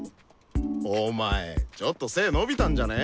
お前ちょっと背伸びたんじゃね？